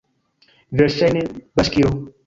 Verŝajne, baŝkiro!